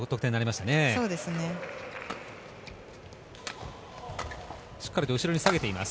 しっかりと後ろに下げています。